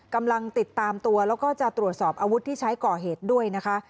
กำลังติดตามตัวแล้วก็จะตรวจสอบอาวุธที่ใช้ก่อเหตุด้วยนะคะ